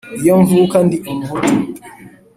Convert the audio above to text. Iyo mvuka ndi umuhutu